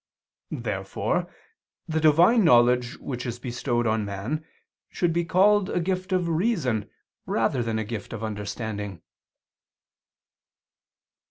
Therefore the Divine knowledge which is bestowed on man, should be called a gift of reason rather than a gift of understanding.